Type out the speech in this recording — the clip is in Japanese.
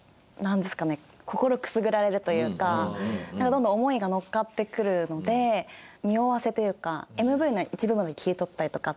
どんどん思いが乗っかってくるので匂わせというかＭＶの一部分だけ切り取ったりとかって。